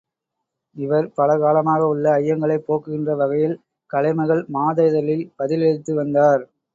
இவர், பல காலமாக உள்ள ஐயங்களைப் போக்குகின்ற வகையில், கலைமகள் மாத இதழில் பதிலளித்து வந்தார்.